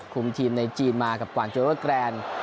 คุมทีมในจีนมากับกวางโจเวอร์แกรนด์